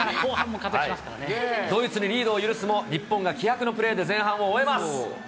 ドイツにリードを許すも、日本が気迫のプレーで前半を終えます。